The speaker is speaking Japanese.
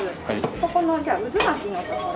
ここのじゃあ渦巻きのところ。